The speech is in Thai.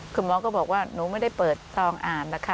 คุณหมอก็บอกว่าหนูไม่ได้เปิดซองอ่านนะคะ